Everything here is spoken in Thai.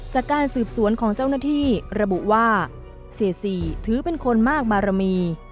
จากการสืบสวนของเจ้าหน้าที่ระบุว่าเสียสีถือเป็นคนมากบารมี